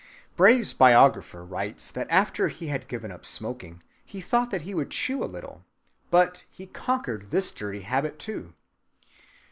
Bray's biographer writes that after he had given up smoking, he thought that he would chew a little, but he conquered this dirty habit, too.